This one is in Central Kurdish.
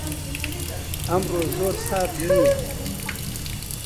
ئەمڕۆ زۆر سارد نییە.